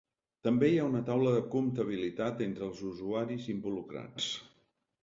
També hi ha una taula de compatibilitat entre els usuaris involucrats.